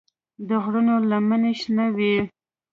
د غرونو لمنې شنه وې.